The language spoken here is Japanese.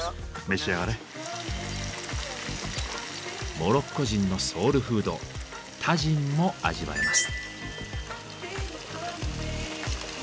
モロッコ人のソウルフードタジンも味わえます。